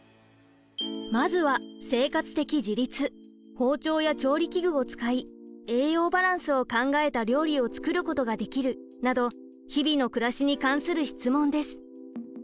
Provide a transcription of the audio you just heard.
「包丁や調理器具を使い栄養バランスを考えた料理を作ることができる」など日々の暮らしに関する質問です。